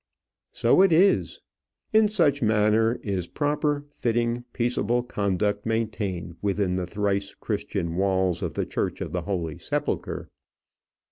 So it is. In such manner is proper, fitting, peaceable conduct maintained within the thrice Christian walls of the Church of the Holy Sepulchre.